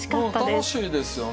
楽しいですよね。